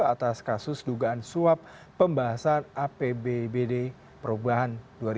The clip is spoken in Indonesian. atas kasus dugaan suap pembahasan apbbd perubahan dua ribu lima belas